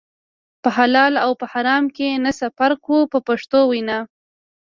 په حلال او په حرام کې نه څه فرق و په پښتو وینا.